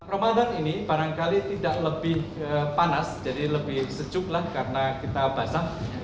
ramadan ini barangkali tidak lebih panas jadi lebih sejuk lah karena kita basah